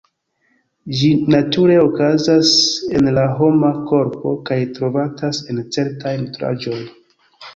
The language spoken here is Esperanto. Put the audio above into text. Ĝi nature okazas en la homa korpo kaj trovatas en certaj nutraĵoj.